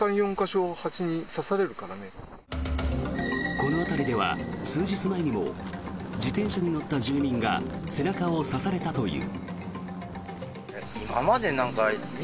この辺りでは数日前にも自転車に乗った住民が背中を刺されたという。